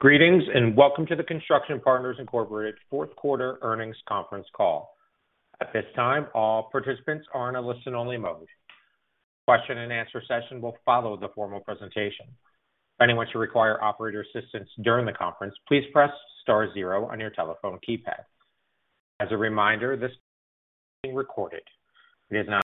Greetings, welcome to the Construction Partners, Inc. fourth Quarter Earnings Conference Call. At this time, all participants are in a listen-only mode. Question and answer session will follow the formal presentation. If anyone should require operator assistance during the conference, please press star zero on your telephone keypad. As a reminder, this recorded.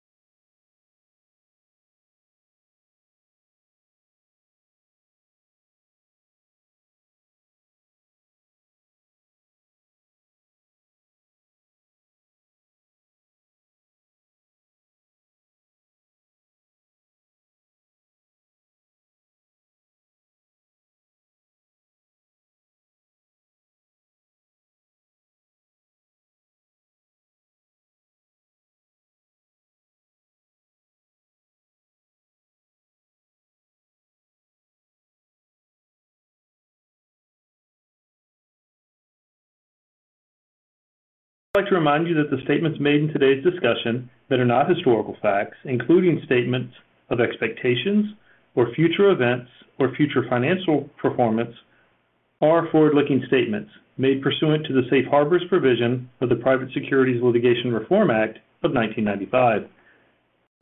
I'd like to remind you that the statements made in today's discussion that are not historical facts, including statements of expectations or future events or future financial performance, are forward-looking statements made pursuant to the safe harbors provision of the Private Securities Litigation Reform Act of 1995.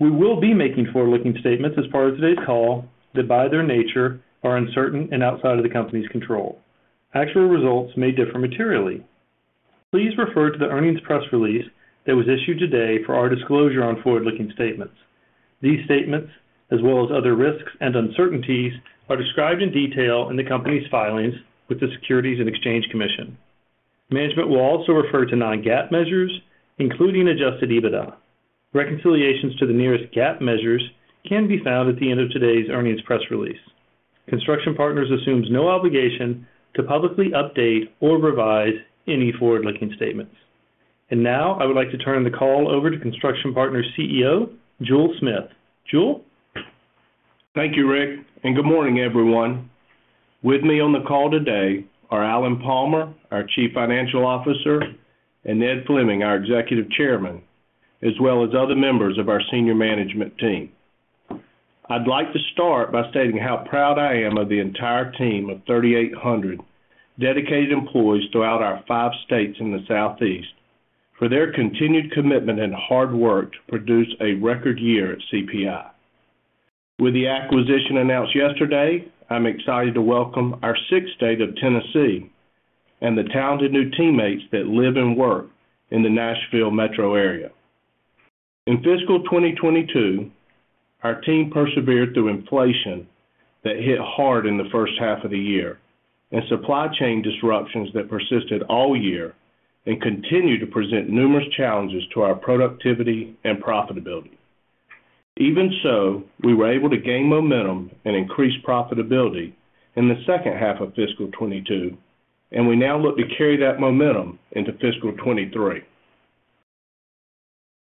We will be making forward-looking statements as part of today's call that, by their nature, are uncertain and outside of the company's control. Actual results may differ materially. Please refer to the earnings press release that was issued today for our disclosure on forward-looking statements. These statements, as well as other risks and uncertainties, are described in detail in the company's filings with the Securities and Exchange Commission. Management will also refer to non-GAAP measures, including adjusted EBITDA. Reconciliations to the nearest GAAP measures can be found at the end of today's earnings press release. Construction Partners assumes no obligation to publicly update or revise any forward-looking statements. Now, I would like to turn the call over to Construction Partners' CEO, Jule Smith. Jule? Thank you, Rick. Good morning, everyone. With me on the call today are Alan Palmer, our Chief Financial Officer, and Ned Fleming, our Executive Chairman, as well as other members of our senior management team. I'd like to start by stating how proud I am of the entire team of 3,800 dedicated employees throughout our five states in the Southeast for their continued commitment and hard work to produce a record year at CPI. With the acquisition announced yesterday, I'm excited to welcome our sixth state of Tennessee and the talented new teammates that live and work in the Nashville metro area. In fiscal 2022, our team persevered through inflation that hit hard in the first half of the year and supply chain disruptions that persisted all year and continue to present numerous challenges to our productivity and profitability. We were able to gain momentum and increase profitability in the second half of fiscal 2022. We now look to carry that momentum into fiscal 2023.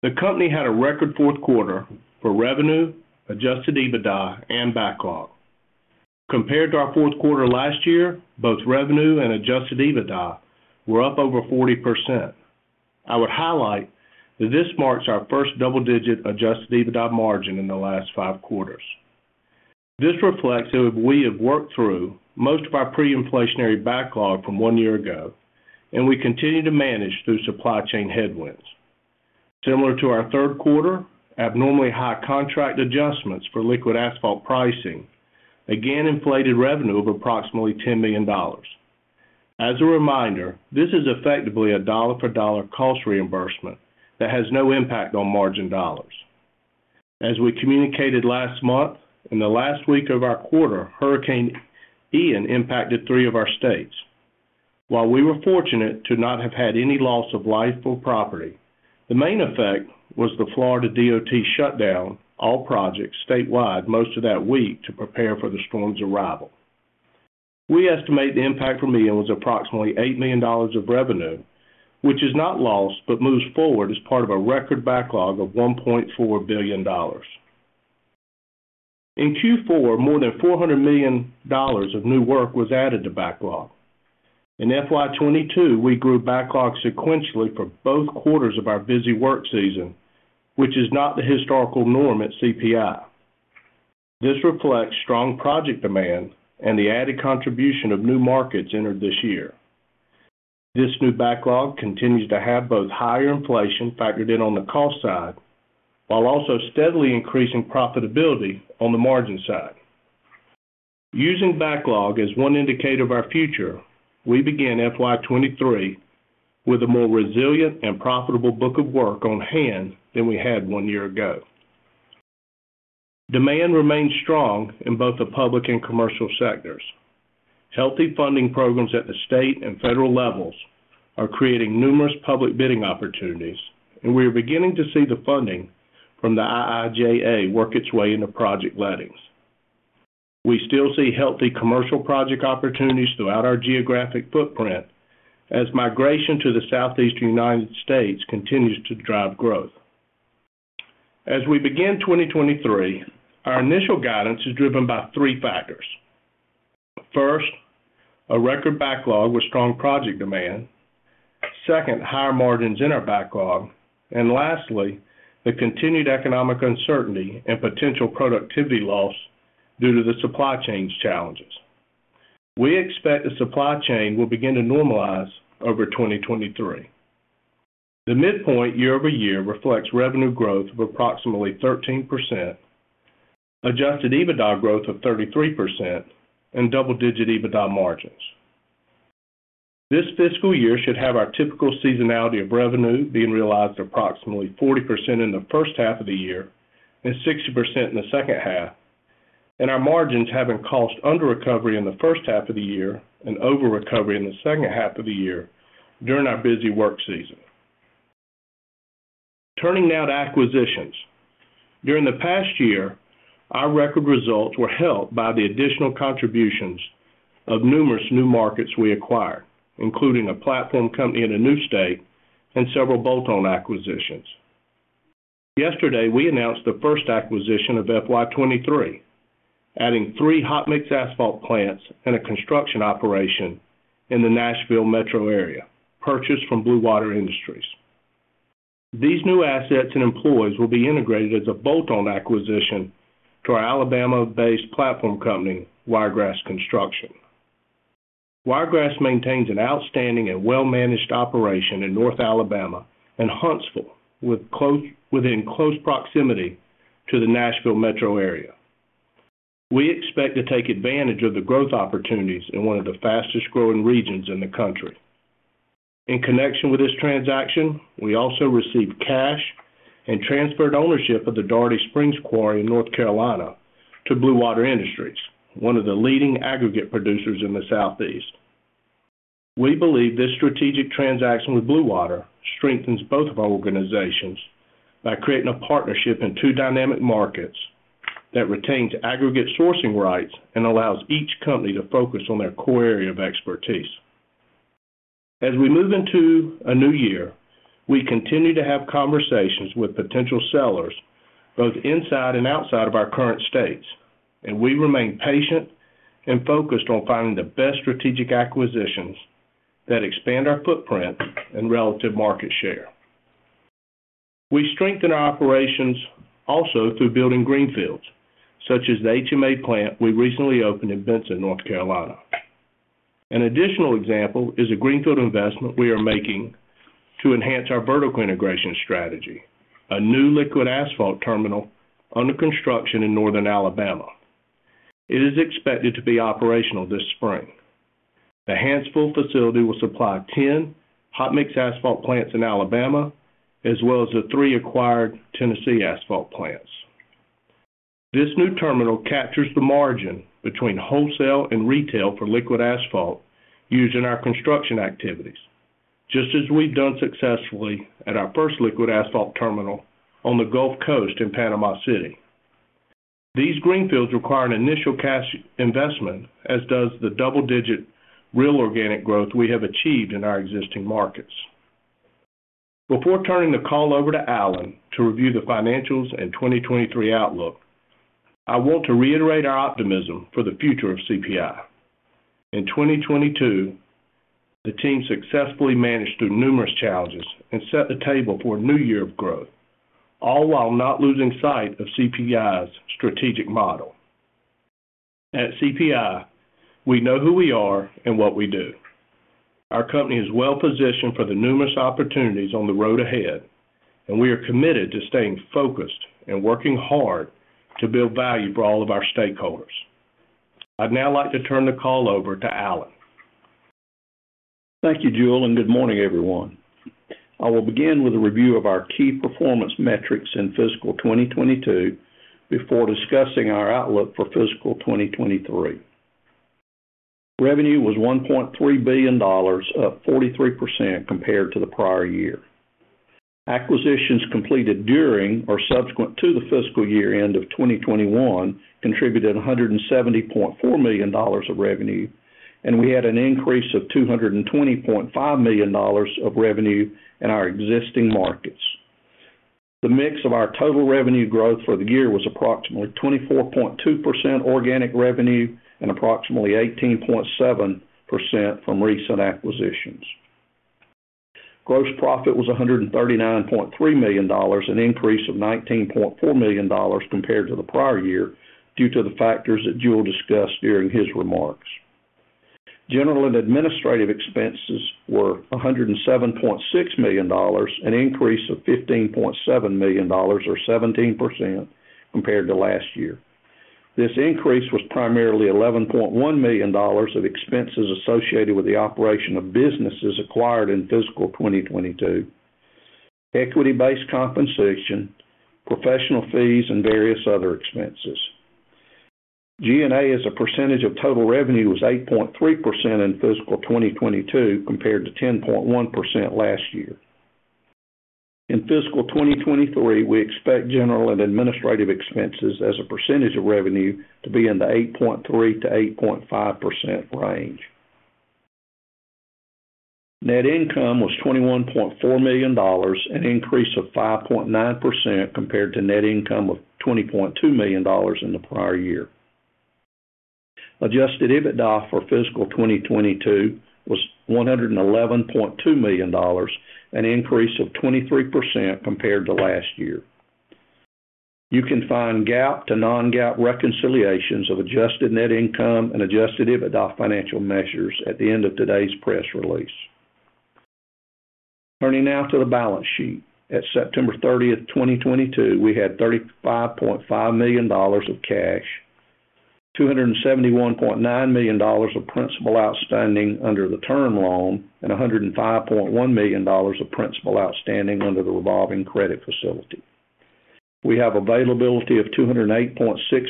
The company had a record fourth quarter for revenue, adjusted EBITDA, and backlog. Compared to our fourth quarter last year, both revenue and adjusted EBITDA were up over 40%. I would highlight that this marks our first double-digit adjusted EBITDA margin in the last 5 quarters. This reflects that we have worked through most of our pre-inflationary backlog from one year ago. We continue to manage through supply chain headwinds. Similar to our third quarter, abnormally high contract adjustments for liquid asphalt pricing again inflated revenue of approximately $10 million. As a reminder, this is effectively a dollar for dollar cost reimbursement that has no impact on margin dollars. As we communicated last month, in the last week of our quarter, Hurricane Ian impacted 3 of our states. While we were fortunate to not have had any loss of life or property, the main effect was the Florida DOT shut down all projects statewide most of that week to prepare for the storm's arrival. We estimate the impact from Ian was approximately $8 million of revenue, which is not lost, but moves forward as part of a record backlog of $1.4 billion. In Q4, more than $400 million of new work was added to backlog. In FY 2022, we grew backlog sequentially for both quarters of our busy work season, which is not the historical norm at CPI. This reflects strong project demand and the added contribution of new markets entered this year. This new backlog continues to have both higher inflation factored in on the cost side while also steadily increasing profitability on the margin side. Using backlog as one indicator of our future, we begin FY 2023 with a more resilient and profitable book of work on hand than we had one year ago. Demand remains strong in both the public and commercial sectors. Healthy funding programs at the state and federal levels are creating numerous public bidding opportunities. We are beginning to see the funding from the IIJA work its way into project lettings. We still see healthy commercial project opportunities throughout our geographic footprint as migration to the Southeast United States continues to drive growth. As we begin 2023, our initial guidance is driven by three factors. First, a record backlog with strong project demand. Second, higher margins in our backlog. Lastly, the continued economic uncertainty and potential productivity loss due to the supply chains challenges. We expect the supply chain will begin to normalize over 2023. The midpoint year-over-year reflects revenue growth of approximately 13%, adjusted EBITDA growth of 33%, and double-digit EBITDA margins. This fiscal year should have our typical seasonality of revenue being realized approximately 40% in the first half of the year and 60% in the second half, and our margins having cost under recovery in the first half of the year and over-recovery in the second half of the year during our busy work season. Turning now to acquisitions. During the past year, our record results were helped by the additional contributions of numerous new markets we acquired, including a platform company in a new state and several bolt-on acquisitions. Yesterday, we announced the first acquisition of FY 2023, adding three hot mix asphalt plants and a construction operation in the Nashville metro area, purchased from Blue Water Industries. These new assets and employees will be integrated as a bolt-on acquisition to our Alabama-based platform company, Wiregrass Construction. Wiregrass maintains an outstanding and well-managed operation in North Alabama and Huntsville, within close proximity to the Nashville metro area. We expect to take advantage of the growth opportunities in one of the fastest-growing regions in the country. In connection with this transaction, we also received cash and transferred ownership of the Daurity Springs Quarry in North Carolina to Blue Water Industries, one of the leading aggregate producers in the Southeast. We believe this strategic transaction with Blue Water strengthens both of our organizations by creating a partnership in two dynamic markets that retains aggregate sourcing rights and allows each company to focus on their core area of expertise. As we move into a new year, we continue to have conversations with potential sellers both inside and outside of our current states, and we remain patient and focused on finding the best strategic acquisitions that expand our footprint and relative market share. We strengthen our operations also through building greenfield, such as the HMA plant we recently opened in Benson, North Carolina. An additional example is a greenfield investment we are making to enhance our vertical integration strategy, a new liquid asphalt terminal under construction in Northern Alabama. It is expected to be operational this spring. The Hanceville facility will supply 10 hot mix asphalt plants in Alabama, as well as the 3 acquired Tennessee asphalt plants. This new terminal captures the margin between wholesale and retail for liquid asphalt used in our construction activities. Just as we've done successfully at our first liquid asphalt terminal on the Gulf Coast in Panama City. These greenfield require an initial cash investment, as does the double-digit real organic growth we have achieved in our existing markets. Before turning the call over to Alan to review the financials and 2023 outlook, I want to reiterate our optimism for the future of CPI. In 2022, the team successfully managed through numerous challenges and set the table for a new year of growth, all while not losing sight of CPI's strategic model. At CPI, we know who we are and what we do. Our company is well-positioned for the numerous opportunities on the road ahead, and we are committed to staying focused and working hard to build value for all of our stakeholders. I'd now like to turn the call over to Alan. Thank you, Jule. Good morning, everyone. I will begin with a review of our key performance metrics in fiscal 2022 before discussing our outlook for fiscal 2023. Revenue was $1.3 billion, up 43% compared to the prior year. Acquisitions completed during or subsequent to the fiscal year-end of 2021 contributed $170.4 million of revenue, and we had an increase of $220.5 million of revenue in our existing markets. The mix of our total revenue growth for the year was approximately 24.2% organic revenue and approximately 18.7% from recent acquisitions. Gross profit was $139.3 million, an increase of $19.4 million compared to the prior year due to the factors that Jule discussed during his remarks. General and administrative expenses were $107.6 million, an increase of $15.7 million or 17% compared to last year. This increase was primarily $11.1 million of expenses associated with the operation of businesses acquired in fiscal 2022. Equity-based compensation, professional fees, and various other expenses. G&A as a percentage of total revenue was 8.3% in fiscal 2022 compared to 10.1% last year. In fiscal 2023, we expect general and administrative expenses as a percentage of revenue to be in the 8.3%-8.5% range. Net income was $21.4 million, an increase of 5.9% compared to net income of $20.2 million in the prior year. Adjusted EBITDA for fiscal 2022 was $111.2 million, an increase of 23% compared to last year. You can find GAAP to non-GAAP reconciliations of adjusted net income and adjusted EBITDA financial measures at the end of today's press release. Turning now to the balance sheet. At September 30th, 2022, we had $35.5 million of cash, $271.9 million of principal outstanding under the term loan, and $105.1 million of principal outstanding under the revolving credit facility. We have availability of $208.6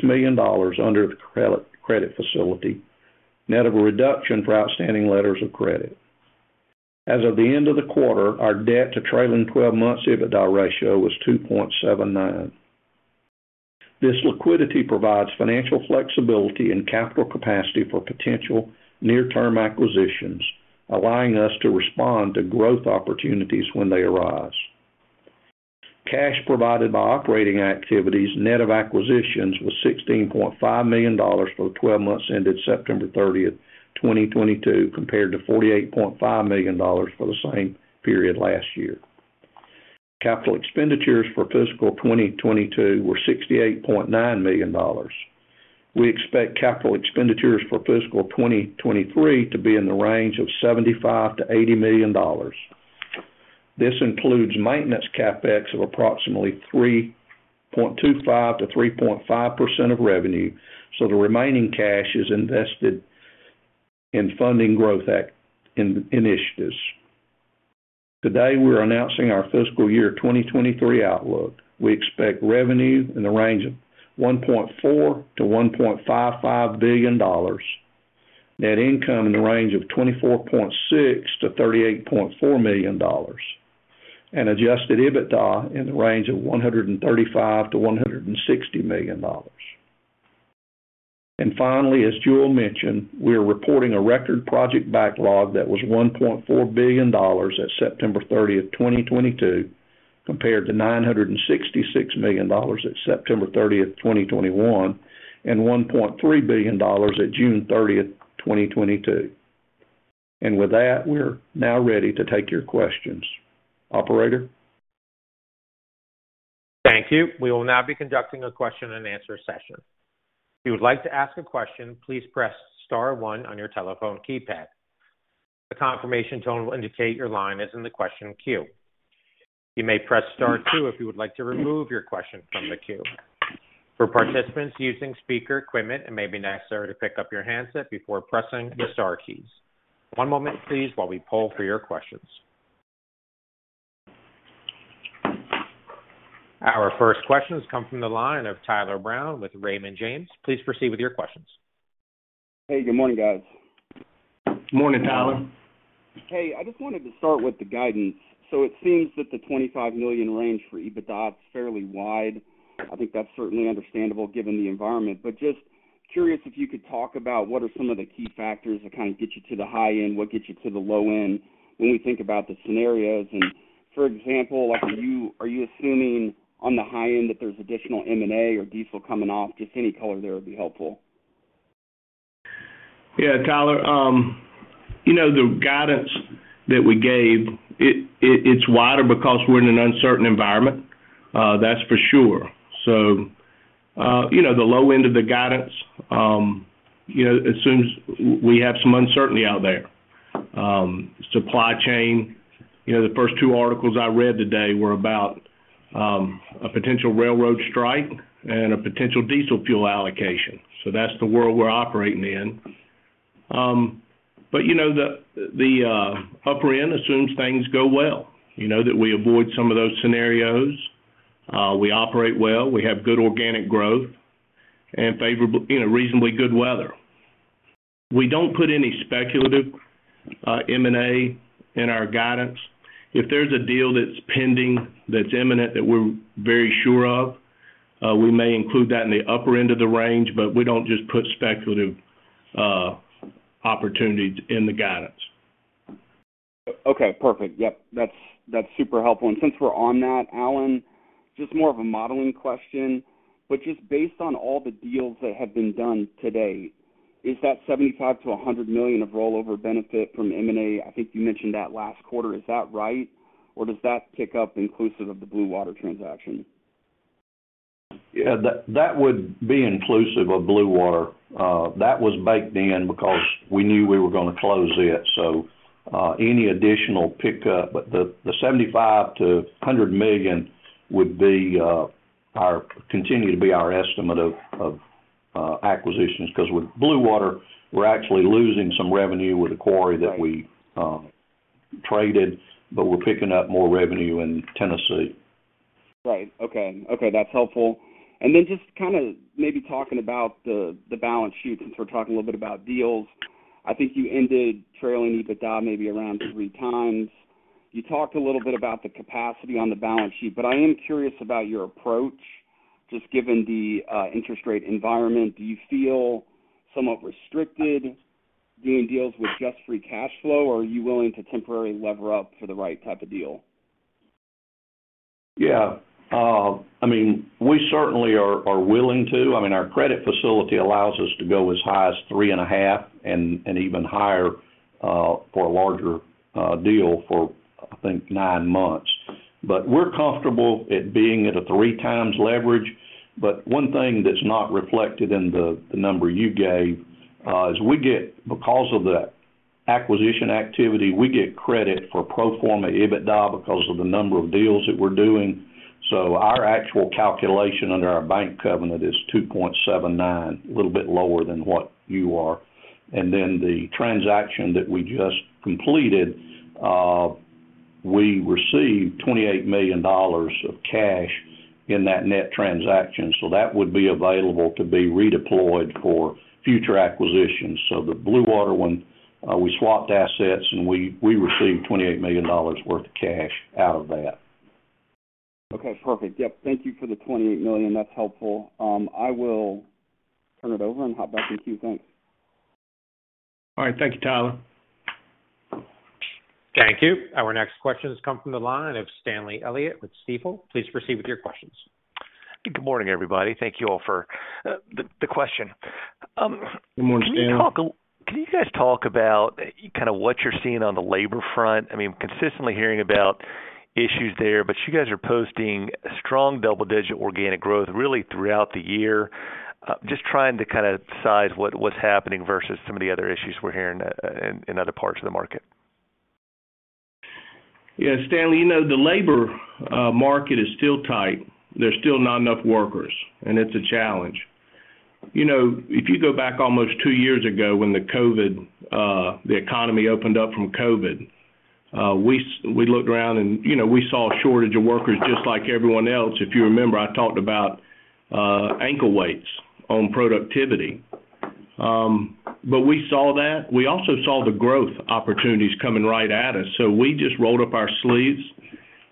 million under the credit facility, net of a reduction for outstanding letters of credit. As of the end of the quarter, our debt to trailing 12 months EBITDA ratio was 2.79. This liquidity provides financial flexibility and capital capacity for potential near-term acquisitions, allowing us to respond to growth opportunities when they arise. Cash provided by operating activities, net of acquisitions, was $16.5 million for the 12 months ended September 30th, 2022, compared to $48.5 million for the same period last year. Capital expenditures for fiscal 2022 were $68.9 million. We expect capital expenditures for fiscal 2023 to be in the range of $75 million-$80 million. This includes maintenance CapEx of approximately 3.25%-3.5% of revenue, so the remaining cash is invested in funding growth initiatives. Today, we're announcing our fiscal year 2023 outlook. We expect revenue in the range of $1.4 billion-$1.55 billion, net income in the range of $24.6 million-$38.4 million, and adjusted EBITDA in the range of $135 million-$160 million. Finally, as Jule mentioned, we are reporting a record project backlog that was $1.4 billion at September 30th, 2022, compared to $966 million at September 30th, 2021, and $1.3 billion at June 30th, 2022. With that, we're now ready to take your questions. Operator? Thank you. We will now be conducting a question and answer session. If you would like to ask a question, please press star one on your telephone keypad. A confirmation tone will indicate your line is in the question queue. You may press star two if you would like to remove your question from the queue. For participants using speaker equipment, it may be necessary to pick up your handset before pressing the star keys. One moment, please, while we poll for your questions. Our first question has come from the line of Tyler Brown with Raymond James. Please proceed with your questions. Hey, good morning, guys. Morning, Tyler. Hey, I just wanted to start with the guidance. It seems that the $25 million range for EBITDA is fairly wide. I think that's certainly understandable given the environment. Just curious if you could talk about what are some of the key factors that kind of get you to the high end, what gets you to the low end when we think about the scenarios. For example, like, are you assuming on the high end that there's additional M&A or diesel coming off? Just any color there would be helpful. Yeah. Tyler, you know, the guidance that we gave, it's wider because we're in an uncertain environment, that's for sure. You know, the low end of the guidance, you know, assumes we have some uncertainty out there. Supply chain. You know, the first two articles I read today were about, a potential railroad strike and a potential diesel fuel allocation. That's the world we're operating in. You know, the, upper end assumes things go well. You know, that we avoid some of those scenarios, we operate well, we have good organic growth and favorable, you know, reasonably good weather. We don't put any speculative, M&A in our guidance. If there's a deal that's pending, that's imminent, that we're very sure of, we may include that in the upper end of the range, but we don't just put speculative opportunities in the guidance. Okay, perfect. Yep, that's super helpful. Since we're on that, Alan, just more of a modeling question, but just based on all the deals that have been done today, is that $75 million-$100 million of rollover benefit from M&A, I think you mentioned that last quarter, is that right? Or does that pick up inclusive of the Blue Water transaction? Yeah, that would be inclusive of Blue Water. That was baked in because we knew we were gonna close it. Any additional pickup... The $75 million-$100 million would continue to be our estimate of acquisitions, 'cause with Blue Water, we're actually losing some revenue with the quarry that we traded, but we're picking up more revenue in Tennessee. Right. Okay. Okay, that's helpful. Then just kinda maybe talking about the balance sheet, since we're talking a little bit about deals. I think you ended trailing EBITDA maybe around 3x. You talked a little bit about the capacity on the balance sheet, but I am curious about your approach, just given the interest rate environment. Do you feel somewhat restricted doing deals with just free cash flow, or are you willing to temporarily lever up for the right type of deal? We certainly are willing to. I mean, our credit facility allows us to go as high as 3.5, and even higher for a larger deal for, I think, 9 months. We're comfortable at being at a 3x leverage. One thing that's not reflected in the number you gave is because of the acquisition activity, we get credit for pro forma EBITDA because of the number of deals that we're doing. Our actual calculation under our bank covenant is 2.79, a little bit lower than what you are. The transaction that we just completed, we received $28 million of cash in that net transaction, so that would be available to be redeployed for future acquisitions. The Blue Water one, we swapped assets, and we received $28 million worth of cash out of that. Okay, perfect. Yep, thank you for the $28 million. That's helpful. I will turn it over and hop back in queue. Thanks. All right. Thank you, Tyler. Thank you. Our next question has come from the line of Stanley Elliott with Stifel. Please proceed with your questions. Good morning, everybody. Thank you all for the question. Good morning, Stan. Can you guys talk about kind of what you're seeing on the labor front? I mean, consistently hearing about issues there, but you guys are posting strong double-digit organic growth really throughout the year. just trying to kind of size what's happening versus some of the other issues we're hearing, in other parts of the market. Yeah, Stanley, you know, the labor market is still tight. There's still not enough workers, and it's a challenge. You know, if you go back almost two years ago when the COVID the economy opened up from COVID, we looked around and, you know, we saw a shortage of workers just like everyone else. If you remember, I talked about ankle weights on productivity. But we saw that. We also saw the growth opportunities coming right at us, so we just rolled up our sleeves.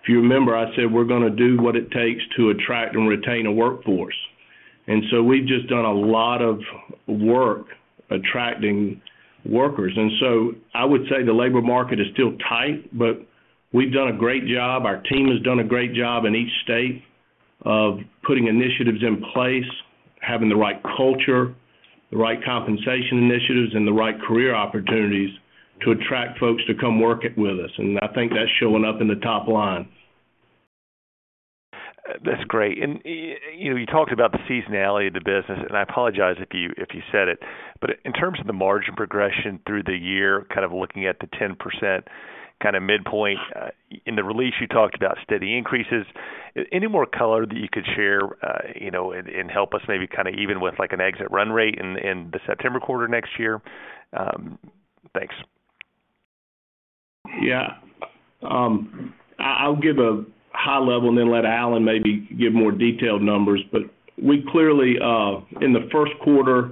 If you remember, I said, we're gonna do what it takes to attract and retain a workforce. We've just done a lot of work attracting workers. I would say the labor market is still tight, but we've done a great job. Our team has done a great job in each state of putting initiatives in place, having the right culture, the right compensation initiatives, and the right career opportunities to attract folks to come work it with us. I think that's showing up in the top line. That's great. You know, you talked about the seasonality of the business, and I apologize if you said it, but in terms of the margin progression through the year, kind of looking at the 10% kinda midpoint, in the release, you talked about steady increases. Any more color that you could share, you know, and help us maybe kinda even with, like, an exit run rate in the September quarter next year? Thanks. Yeah. I'll give a high level and then let Alan maybe give more detailed numbers. We clearly in the first quarter,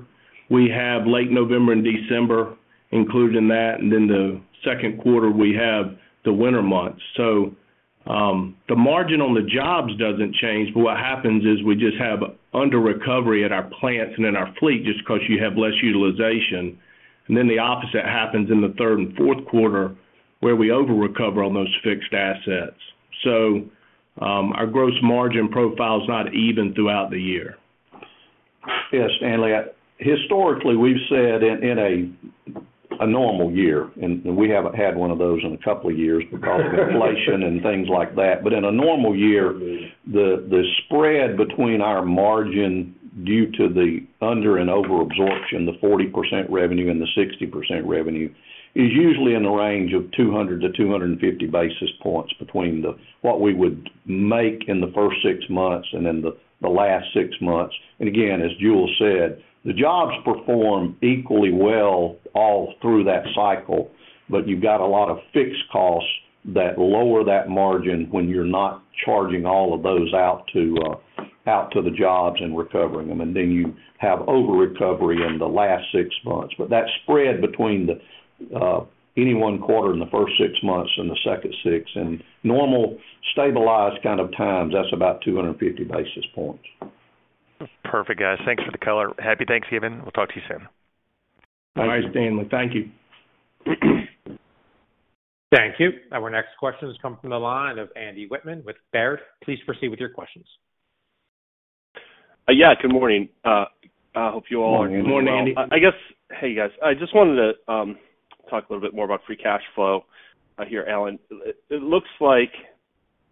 we have late November and December included in that, and then the second quarter, we have the winter months. The margin on the jobs doesn't change, but what happens is we just have under recovery at our plants and in our fleet just 'cause you have less utilization. The opposite happens in the third and fourth quarter, where we over-recover on those fixed assets. Our gross margin profile is not even throughout the year. Yes, Stanley. Historically, we've said in a normal year, and we haven't had one of those in a couple of years because of inflation and things like that. In a normal year, the spread between our margin due to the under and over absorption, the 40% revenue and the 60% revenue, is usually in the range of 200-250 basis points between what we would make in the first 6 months and in the last 6 months. Again, as Jule said, the jobs perform equally well all through that cycle, but you've got a lot of fixed costs that lower that margin when you're not charging all of those out to out to the jobs and recovering them. Then you have over-recovery in the last 6 months. That spread between the any one quarter in the first 6 months and the second 6, in normal, stabilized kind of times, that's about 250 basis points. Perfect, guys. Thanks for the color. Happy Thanksgiving. We'll talk to you soon. Bye. All right, Stanley. Thank you. Thank you. Our next question has come from the line of Andy Wittmann with Baird. Please proceed with your questions. Yeah, good morning. I hope you all are- Good morning, Andy. Good morning, Andy. Hey, guys. I just wanted to talk a little bit more about free cash flow here, Alan. It looks like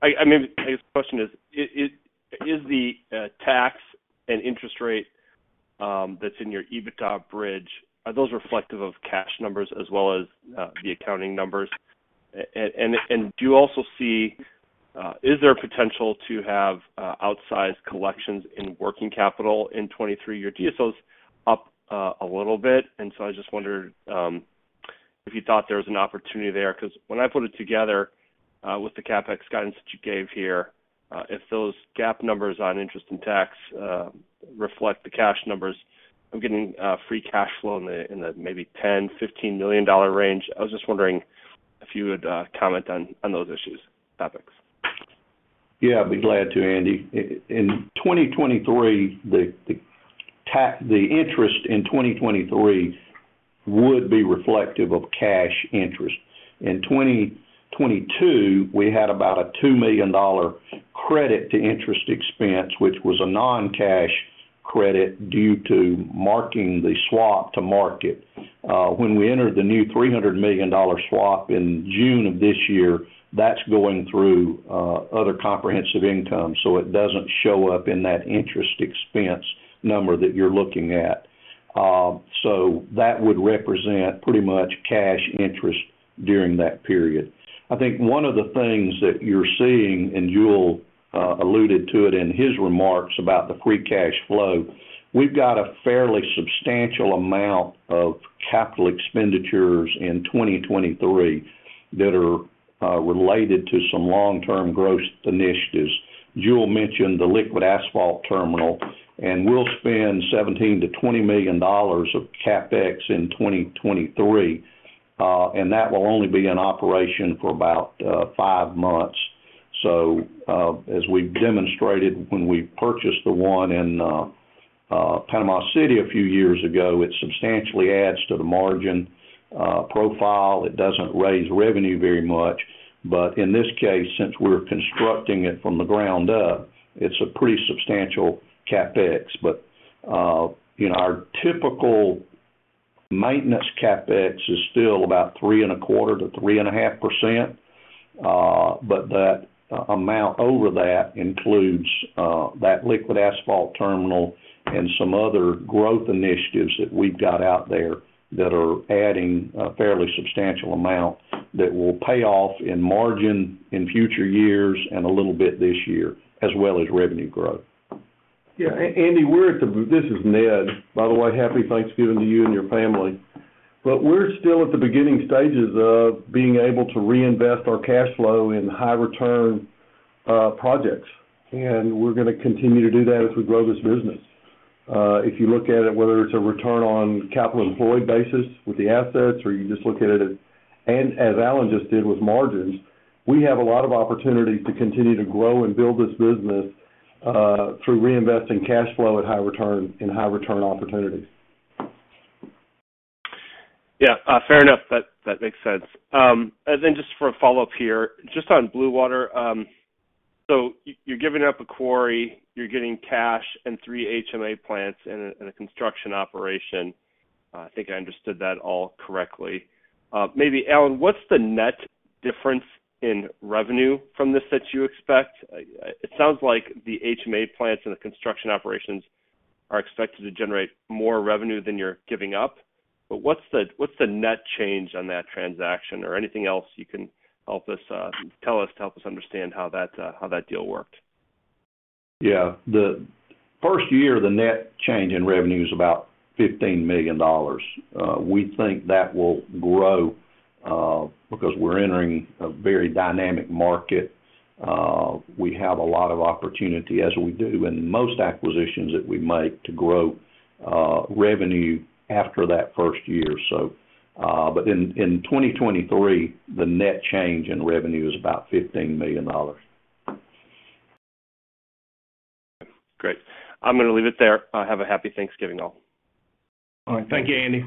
I maybe I guess the question is the tax and interest rate that's in your EBITDA bridge, are those reflective of cash numbers as well as the accounting numbers? Do you also see, is there a potential to have outsized collections in working capital in 2023? Your DSO's up a little bit. I just wondered if you thought there was an opportunity there. Because when I put it together with the CapEx guidance that you gave here, if those GAAP numbers on interest and tax reflect the cash numbers, I'm getting free cash flow in the maybe $10 million-$15 million range. I was just wondering if you would comment on those issues, topics. I'd be glad to, Andy. In 2023, the interest in 2023 would be reflective of cash interest. In 2022, we had about a $2 million credit to interest expense, which was a non-cash credit due to marking the swap to market. When we entered the new $300 million swap in June of this year, that's going through other comprehensive income, so it doesn't show up in that interest expense number that you're looking at. That would represent pretty much cash interest during that period. I think one of the things that you're seeing, and Jule alluded to it in his remarks about the free cash flow, we've got a fairly substantial amount of capital expenditures in 2023 that are related to some long-term growth initiatives. Jule mentioned the liquid asphalt terminal. We'll spend $17 million-$20 million of CapEx in 2023. That will only be in operation for about 5 months. As we demonstrated when we purchased the one in Panama City a few years ago, it substantially adds to the margin profile. It doesn't raise revenue very much. In this case, since we're constructing it from the ground up, it's a pretty substantial CapEx. You know, our typical maintenance CapEx is still about 3.25%-3.5%. That amount over that includes that liquid asphalt terminal and some other growth initiatives that we've got out there that are adding a fairly substantial amount that will pay off in margin in future years and a little bit this year, as well as revenue growth. Yeah. Andy, this is Ned. By the way, Happy Thanksgiving to you and your family. We're still at the beginning stages of being able to reinvest our cash flow in high return projects, and we're gonna continue to do that as we grow this business. If you look at it, whether it's a return on capital employed basis with the assets, or you just look at it, and as Alan just did with margins, we have a lot of opportunity to continue to grow and build this business through reinvesting cash flow in high return opportunities. Yeah, fair enough. That, that makes sense. Then just for a follow-up here, just on Blue Water. You're giving up a quarry, you're getting cash and three HMA plants and a construction operation. I think I understood that all correctly. Maybe Alan, what's the net difference in revenue from this that you expect? It sounds like the HMA plants and the construction operations are expected to generate more revenue than you're giving up, but what's the net change on that transaction? Anything else you can help us tell us to help us understand how that deal worked. The first year, the net change in revenue is about $15 million. We think that will grow because we're entering a very dynamic market. We have a lot of opportunity as we do in most acquisitions that we make to grow revenue after that first year. In 2023, the net change in revenue is about $15 million. Great. I'm gonna leave it there. Have a happy Thanksgiving, all. All right. Thank you, Andy.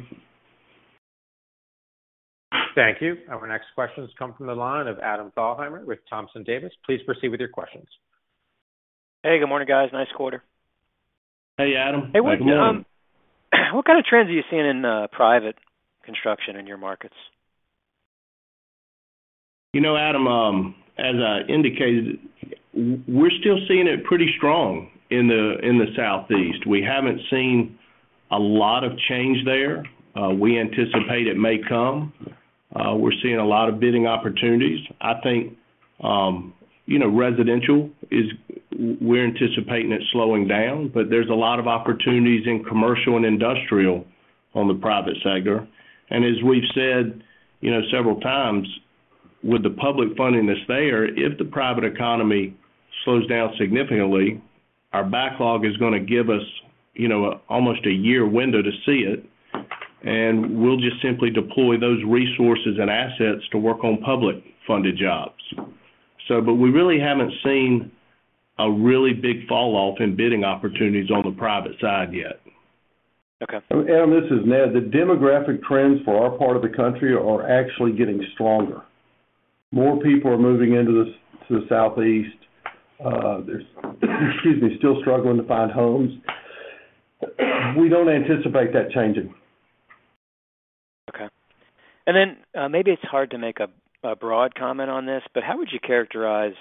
Thank you. Our next question has come from the line of Adam Thalhimer with Thompson Davis. Please proceed with your questions. Hey, good morning, guys. Nice quarter. Hey, Adam. Back again. Hey, what kind of trends are you seeing in private construction in your markets? You know, Adam, as I indicated, we're still seeing it pretty strong in the, in the Southeast. We haven't seen a lot of change there. We anticipate it may come. We're seeing a lot of bidding opportunities. I think, you know, residential we're anticipating it slowing down, but there's a lot of opportunities in commercial and industrial on the private sector. As we've said, you know, several times, with the public funding that's there, if the private economy slows down significantly, our backlog is gonna give us, you know, almost a year window to see it, and we'll just simply deploy those resources and assets to work on public funded jobs. We really haven't seen a really big fall off in bidding opportunities on the private side yet. Okay. Adam, this is Ned. The demographic trends for our part of the country are actually getting stronger. More people are moving into the to the Southeast. They're, excuse me, still struggling to find homes. We don't anticipate that changing. Okay. Maybe it's hard to make a broad comment on this, but how would you characterize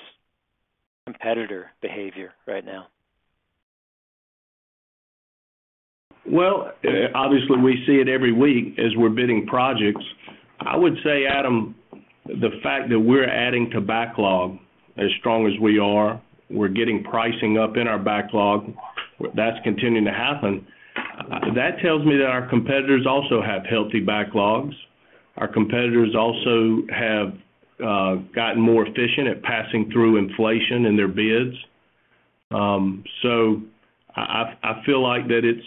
competitor behavior right now? Obviously we see it every week as we're bidding projects. I would say, Adam, the fact that we're adding to backlog as strong as we are, we're getting pricing up in our backlog. That's continuing to happen. That tells me that our competitors also have healthy backlogs. Our competitors also have gotten more efficient at passing through inflation in their bids. I, I feel like that it's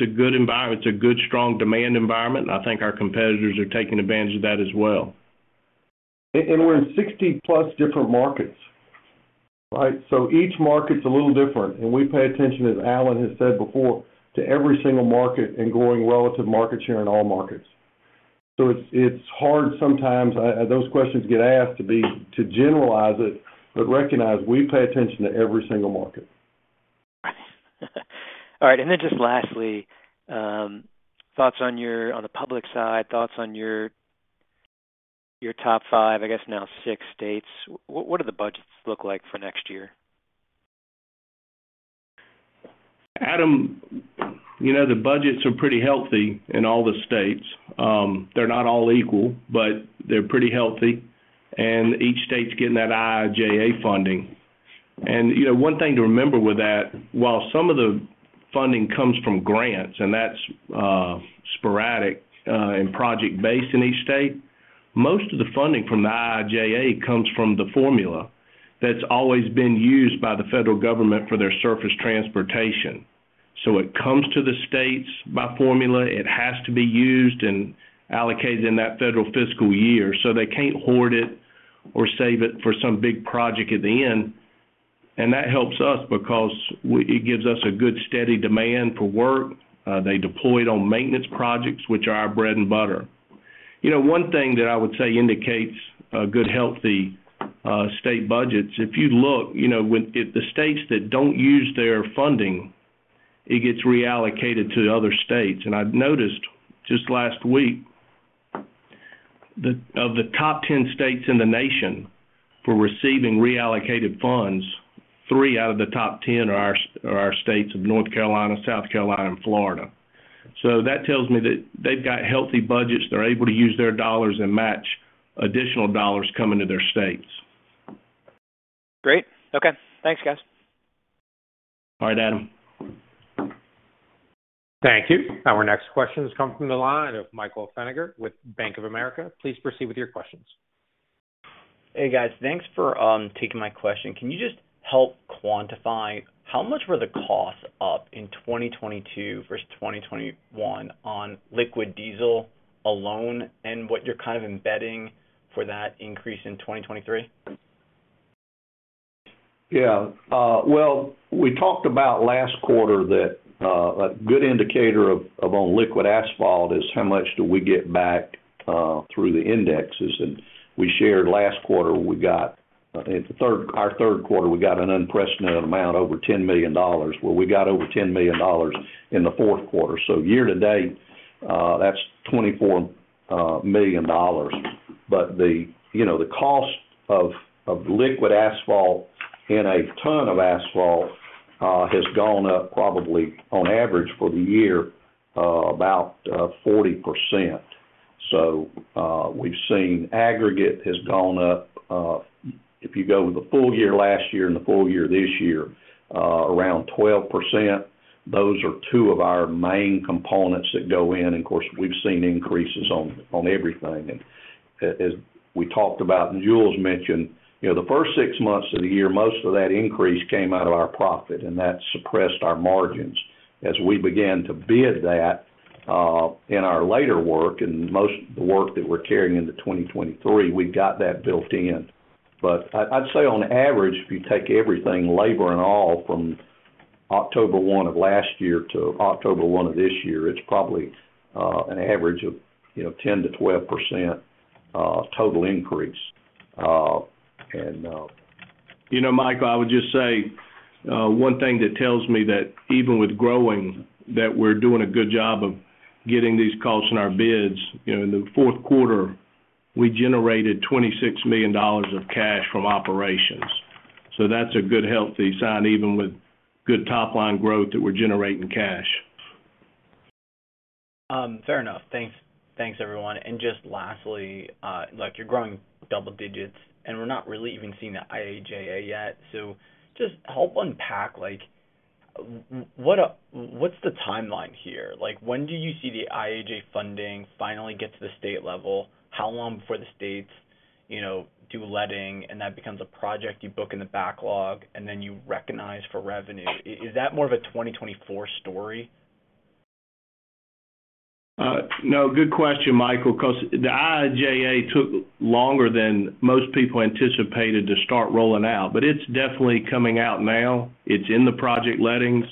a good environment. It's a good, strong demand environment, and I think our competitors are taking advantage of that as well. We're in 60-plus different markets, right? Each market's a little different, and we pay attention, as Alan has said before, to every single market and growing relative market share in all markets. It's, it's hard sometimes, those questions get asked to generalize it, but recognize we pay attention to every single market. All right. Just lastly, on the public side, thoughts on your top five, I guess now six states. What do the budgets look like for next year? Adam, you know, the budgets are pretty healthy in all the states. They're not all equal, but they're pretty healthy. Each state's getting that IIJA funding. You know, one thing to remember with that, while some of the funding comes from grants, and that's sporadic and project-based in each state, most of the funding from the IIJA comes from the formula that's always been used by the federal government for their surface transportation. It comes to the states by formula. It has to be used and allocated in that federal fiscal year, so they can't hoard it or save it for some big project at the end. That helps us because it gives us a good, steady demand for work. They deploy it on maintenance projects, which are our bread and butter. You know, one thing that I would say indicates a good, healthy state budget is if you look, you know, if the states that don't use their funding, it gets reallocated to other states. I've noticed just last week of the top 10 states in the nation for receiving reallocated funds, 3 out of the top 10 are our states of North Carolina, South Carolina, and Florida. That tells me that they've got healthy budgets. They're able to use their dollars and match additional dollars coming to their states. Great. Okay. Thanks, guys. All right, Adam. Thank you. Our next question has come from the line of Michael Feniger with Bank of America. Please proceed with your questions. Hey, guys. Thanks for taking my question. Can you just help quantify how much were the costs up in 2022 versus 2021 on liquid diesel alone and what you're kind of embedding for that increase in 2023? Well, we talked about last quarter that a good indicator of liquid asphalt is how much do we get back through the indexes. We shared last quarter, we got, I think our third quarter, we got an unprecedented amount, over $10 million. We got over $10 million in the fourth quarter. Year-to-date, that's $24 million. The, you know, the cost of liquid asphalt in a ton of asphalt has gone up probably on average for the year about 40%. We've seen aggregate has gone up, if you go the full year last year and the full year this year, around 12%. Those are two of our main components that go in. Of course, we've seen increases on everything. As we talked about, Jules mentioned, you know, the first six months of the year, most of that increase came out of our profit, and that suppressed our margins. As we began to bid that in our later work and most of the work that we're carrying into 2023, we've got that built in. I'd say on average, if you take everything, labor and all, from October one of last year to October one of this year, it's probably an average of, you know, 10%-12% total increase. You know, Michael, I would just say, one thing that tells me that even with growing that we're doing a good job of getting these costs in our bids, you know, in the fourth quarter, we generated $26 million of cash from operations. That's a good, healthy sign, even with good top-line growth, that we're generating cash. Fair enough. Thanks. Thanks, everyone. Just lastly, like you're growing double-digits, and we're not really even seeing the IIJA yet. Just help unpack like what's the timeline here? Like, when do you see the IIJA funding finally get to the state level? How long before the states, you know, do letting and that becomes a project you book in the backlog and then you recognize for revenue? Is that more of a 2024 story? No. Good question, Michael, 'cause the IIJA took longer than most people anticipated to start rolling out. It's definitely coming out now. It's in the project lettings.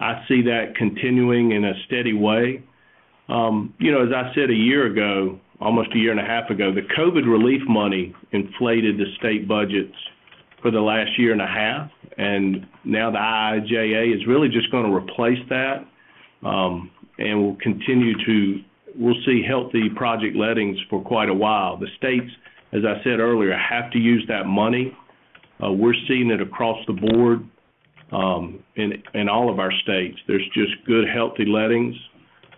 I see that continuing in a steady way. You know, as I said a year ago, almost a year and a half ago, the COVID relief money inflated the state budgets for the last year and a half. Now the IIJA is really just gonna replace that, and will continue to, we'll see healthy project lettings for quite a while. The states, as I said earlier, have to use that money. We're seeing it across the board, in all of our states. There's just good, healthy lettings.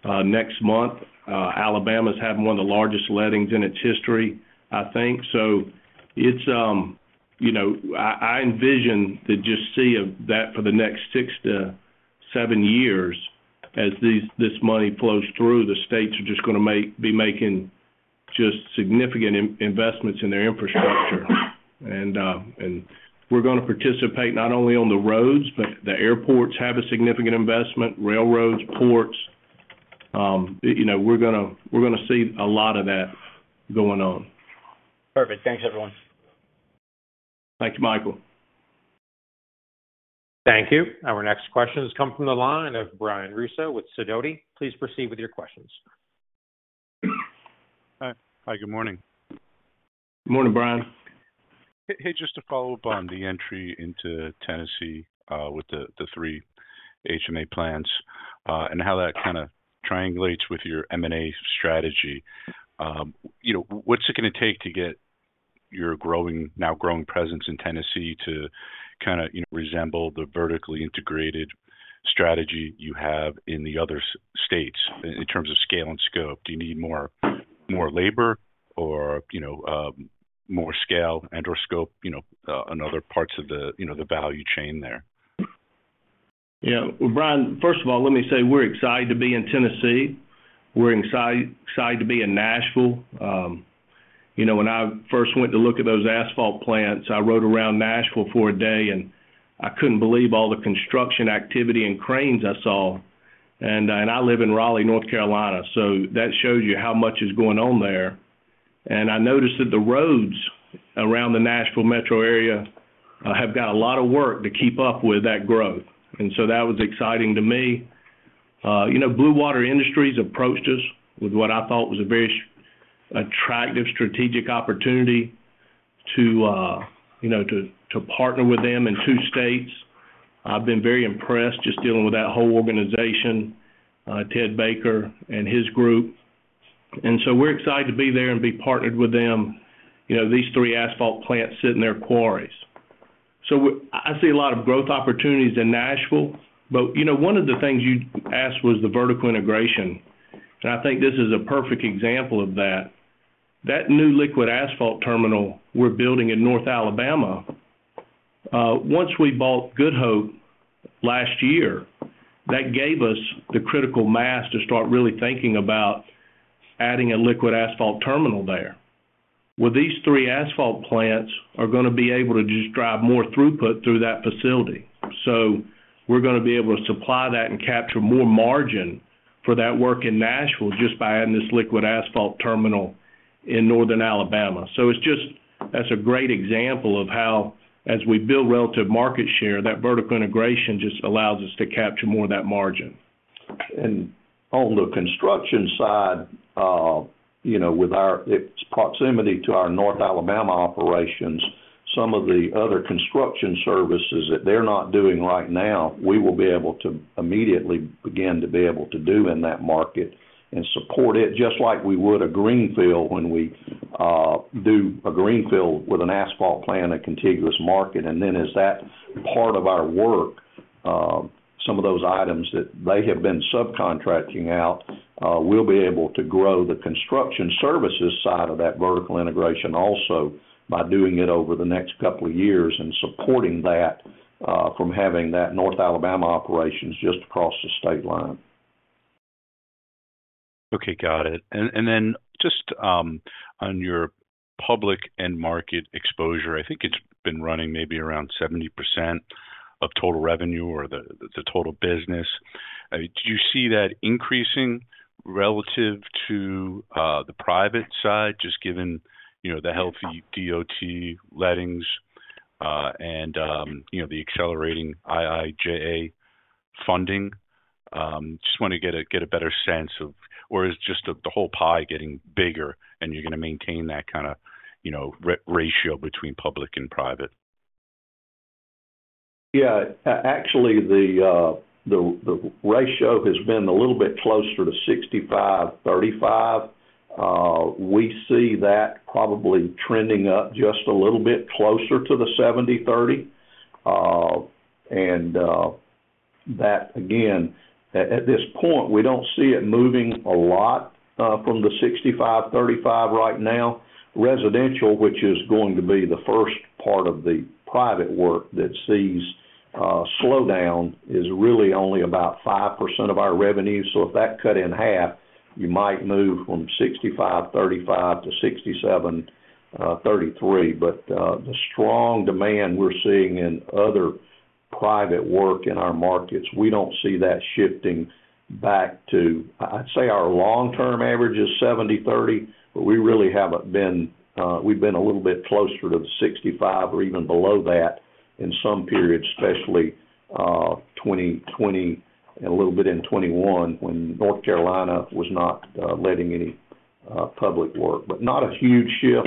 Next month, Alabama's having one of the largest lettings in its history, I think. It's, you know, I envision to just see of that for the next 6 to 7 years as this money flows through, the states are just gonna be making just significant investments in their infrastructure. And we're gonna participate not only on the roads, but the airports have a significant investment, railroads, ports. You know, we're gonna see a lot of that going on. Perfect. Thanks, everyone. Thanks, Michael. Thank you. Our next question has come from the line of Brian Russo with Sidoti. Please proceed with your questions. Hi. Good morning. Good morning, Brian. Hey, just to follow up on the entry into Tennessee, with the 3 HMA plants, and how that kinda triangulates with your M&A strategy. You know, what's it gonna take to get your now growing presence in Tennessee to kinda, you know, resemble the vertically integrated strategy you have in the other states in terms of scale and scope? Do you need more labor or, you know, more scale and/or scope, you know, on other parts of the, you know, the value chain there? Well, Brian, first of all, let me say we're excited to be in Tennessee. We're excited to be in Nashville. You know, when I first went to look at those asphalt plants, I rode around Nashville for a day, and I couldn't believe all the construction activity and cranes I saw. I live in Raleigh, North Carolina, so that shows you how much is going on there. I noticed that the roads around the Nashville metro area have got a lot of work to keep up with that growth. That was exciting to me. You know, Blue Water Industries approached us with what I thought was a very attractive strategic opportunity to, you know, to partner with them in two states. I've been very impressed just dealing with that whole organization, Ted Baker and his group. We're excited to be there and be partnered with them. You know, these three asphalt plants sit in their quarries. I see a lot of growth opportunities in Nashville. You know, one of the things you asked was the vertical integration, and I think this is a perfect example of that. That new liquid asphalt terminal we're building in North Alabama, once we bought Good Hope last year, that gave us the critical mass to start really thinking about adding a liquid asphalt terminal there. With these three asphalt plants are gonna be able to just drive more throughput through that facility. We're gonna be able to supply that and capture more margin for that work in Nashville just by adding this liquid asphalt terminal in Northern Alabama. It's just... That's a great example of how as we build relative market share, that vertical integration just allows us to capture more of that margin. On the construction side, you know, with its proximity to our North Alabama operations, some of the other construction services that they're not doing right now, we will be able to immediately begin to be able to do in that market and support it, just like we would a greenfield when we do a greenfield with an asphalt plant in a contiguous market. Then as that part of our work, some of those items that they have been subcontracting out, we'll be able to grow the construction services side of that vertical integration also by doing it over the next couple of years and supporting that from having that North Alabama operations just across the state line. Okay, got it. Then just on your public end market exposure, I think it's been running maybe around 70% of total revenue or the total business. Do you see that increasing relative to the private side, just given, you know, the healthy DOT lettings, and, you know, the accelerating IIJA funding? Just wanna get a better sense of or is just the whole pie getting bigger, and you're gonna maintain that kind of, you know, ratio between public and private? Actually, the ratio has been a little bit closer to 65/35. We see that probably trending up just a little bit closer to the 70/30. That again, at this point, we don't see it moving a lot from the 65/35 right now. Residential, which is going to be the first part of the private work that sees a slowdown, is really only about 5% of our revenue. If that cut in half, you might move from 65/35 to 67/33. The strong demand we're seeing in other private work in our markets, we don't see that shifting back to... I'd say our long-term average is 70/30, but we really haven't been, we've been a little bit closer to the 65 or even below that in some periods, especially 2020 and a little bit in 2021 when North Carolina was not letting any public work, but not a huge shift.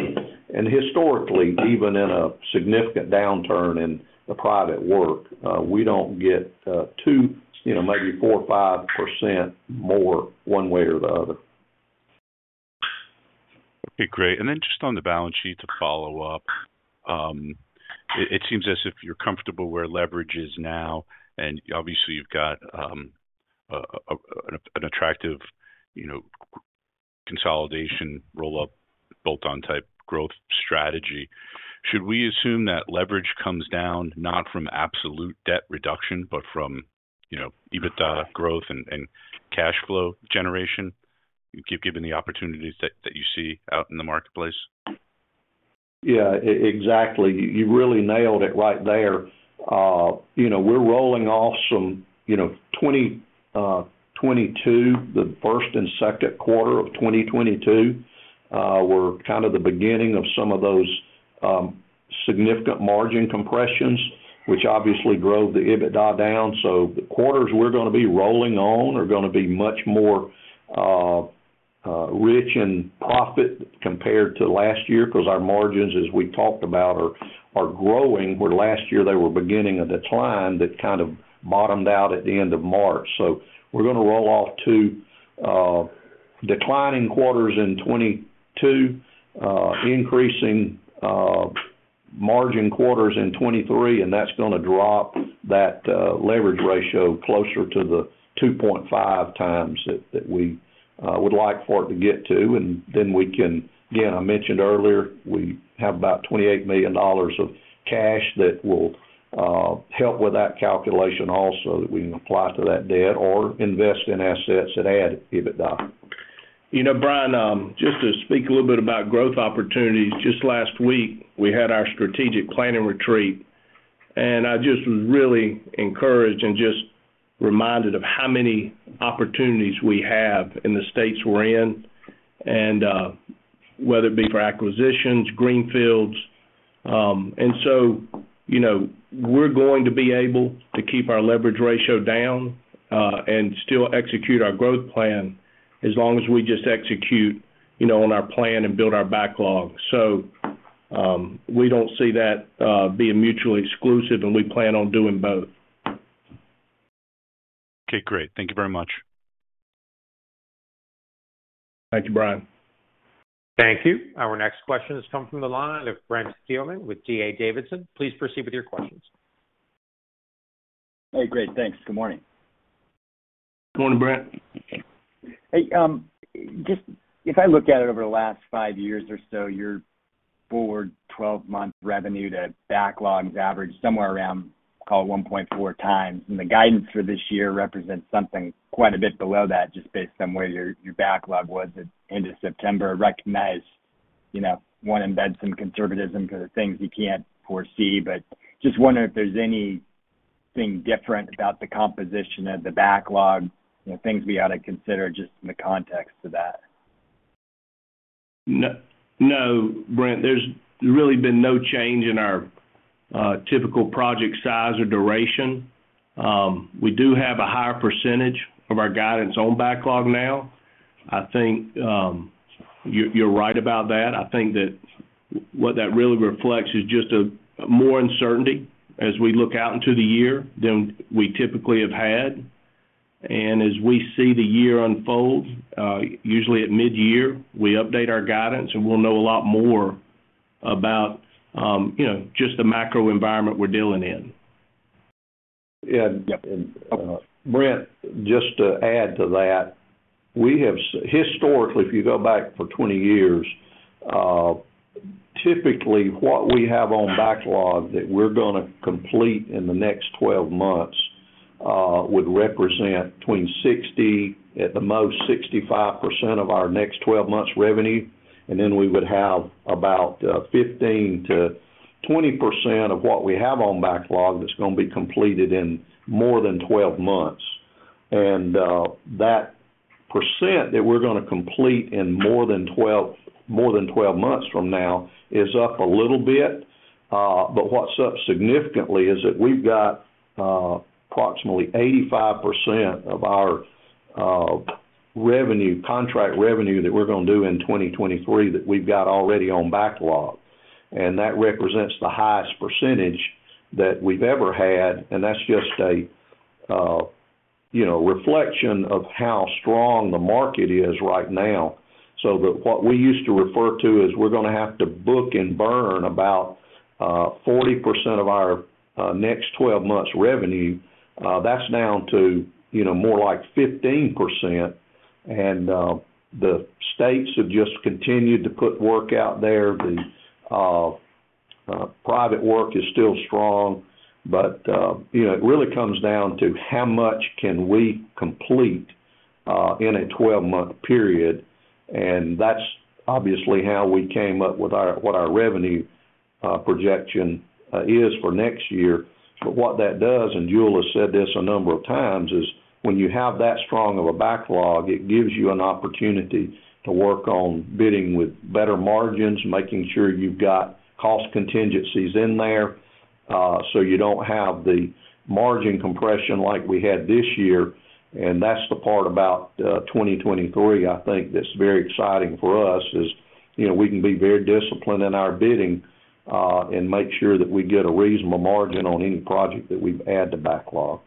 Historically, even in a significant downturn in the private work, we don't get too, you know, maybe 4% or 5% more one way or the other. Okay, great. Just on the balance sheet to follow up. It seems as if you're comfortable where leverage is now, and obviously you've got an attractive, you know, consolidation roll-up built on type growth strategy. Should we assume that leverage comes down not from absolute debt reduction, but from, you know, EBITDA growth and cash flow generation given the opportunities that you see out in the marketplace? Yeah. Exactly. You really nailed it right there. You know, we're rolling off some, you know, 2022, the 1st and 2nd quarter of 2022 were kind of the beginning of some of those significant margin compressions, which obviously drove the EBITDA down. The quarters we're gonna be rolling on are gonna be much more rich in profit compared to last year, 'cause our margins, as we talked about, are growing, where last year they were beginning a decline that kind of bottomed out at the end of March. We're gonna roll off to declining quarters in 2022, increasing margin quarters in 2023, that's gonna drop that leverage ratio closer to the 2.5x that we would like for it to get to. Then we can... I mentioned earlier, we have about $28 million of cash that will help with that calculation also, that we can apply to that debt or invest in assets that add EBITDA. You know, Brian, just to speak a little bit about growth opportunities. Just last week, we had our strategic planning retreat. I just was really encouraged and just reminded of how many opportunities we have in the states we're in, whether it be for acquisitions, greenfield. You know, we're going to be able to keep our leverage ratio down and still execute our growth plan, as long as we just execute, you know, on our plan and build our backlog. We don't see that being mutually exclusive, and we plan on doing both. Okay. Great. Thank you very much. Thank you, Brian. Thank you. Our next question has come from the line of Brent Thielman with D.A. Davidson. Please proceed with your questions. Hey. Great. Thanks. Good morning. Morning, Brent. Hey, just if I look at it over the last 5 years or so, your forward 12-month revenue to backlogs average somewhere around, call it 1.4x. The guidance for this year represents something quite a bit below that, just based on where your backlog was at end of September. Recognize, you know, wanna embed some conservatism 'cause of things you can't foresee. Just wondering if there's anything different about the composition of the backlog, you know, things we ought to consider just in the context to that? No, Brent. There's really been no change in our typical project size or duration. We do have a higher percentage of our guidance on backlog now. I think, you're right about that. I think that what that really reflects is just a, more uncertainty as we look out into the year than we typically have had. As we see the year unfold, usually at midyear, we update our guidance, and we'll know a lot more about, you know, just the macro environment we're dealing in. Brent, just to add to that, we have historically, if you go back for 20 years, typically what we have on backlog that we're gonna complete in the next 12 months, would represent between 60, at the most 65% of our next 12 months revenue. We would have about 15%-20% of what we have on backlog that's gonna be completed in more than 12 months. That percent that we're gonna complete in more than 12 months from now is up a little bit. What's up significantly is that we've got approximately 85% of our revenue, contract revenue that we're gonna do in 2023 that we've got already on backlog, and that represents the highest percentage that we've ever had, and that's just a, you know, reflection of how strong the market is right now. What we used to refer to is we're gonna have to book and burn about 40% of our next 12 months revenue. That's down to, you know, more like 15%. The states have just continued to put work out there. The private work is still strong. You know, it really comes down to how much can we complete in a 12-month period, and that's obviously how we came up with our, what our revenue projection is for next year. What that does, and Jule has said this a number of times, is when you have that strong of a backlog, it gives you an opportunity to work on bidding with better margins, making sure you've got cost contingencies in there, so you don't have the margin compression like we had this year. That's the part about 2023, I think that's very exciting for us, is, you know, we can be very disciplined in our bidding, and make sure that we get a reasonable margin on any project that we add to backlog.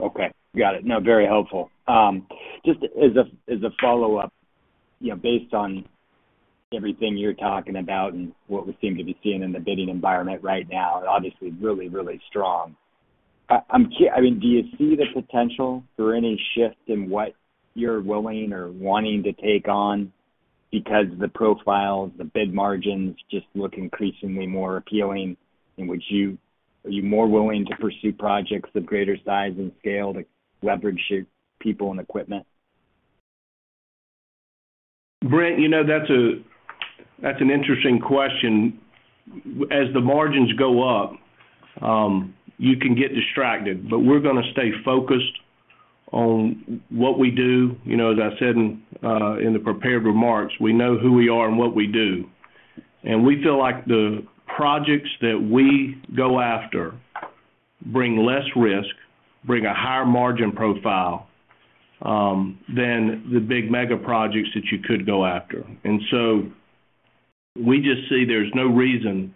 Okay. Got it. No, very helpful. Just as a, as a follow-up, you know, based on everything you're talking about and what we seem to be seeing in the bidding environment right now, obviously really, really strong. I mean, do you see the potential for any shift in what you're willing or wanting to take on because the profiles, the bid margins just look increasingly more appealing? Are you more willing to pursue projects of greater size and scale to leverage your people and equipment? Brent, you know, that's a, that's an interesting question. As the margins go up, you can get distracted, but we're gonna stay focused on what we do. You know, as I said in the prepared remarks, we know who we are and what we do. We feel like the projects that we go after bring less risk, bring a higher margin profile than the big mega projects that you could go after. We just see there's no reason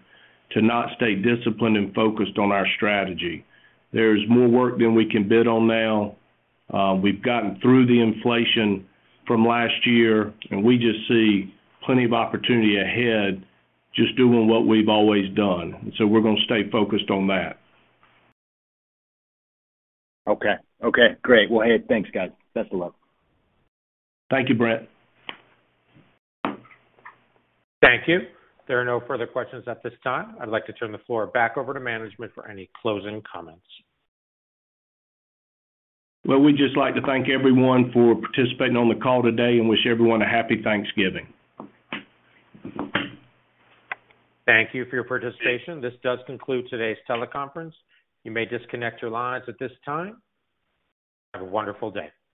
to not stay disciplined and focused on our strategy. There's more work than we can bid on now. We've gotten through the inflation from last year, we just see plenty of opportunity ahead just doing what we've always done. We're gonna stay focused on that. Okay. Okay, great. Well, hey, thanks, guys. Best of luck. Thank you, Brent. Thank you. There are no further questions at this time. I'd like to turn the floor back over to management for any closing comments. Well, we'd just like to thank everyone for participating on the call today and wish everyone a happy Thanksgiving. Thank you for your participation. This does conclude today's teleconference. You may disconnect your lines at this time. Have a wonderful day.